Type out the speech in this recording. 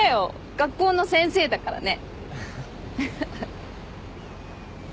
学校の先生だからね。